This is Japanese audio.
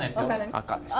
赤です。